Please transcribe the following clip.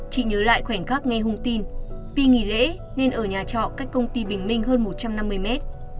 chị nhớ lại khoảnh khắc nghe hung tin vì nghỉ lễ nên ở nhà trọ cách công ty bình minh hơn một trăm năm mươi mét